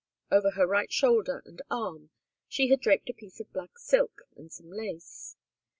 Over her right shoulder and arm she had draped a piece of black silk and some lace.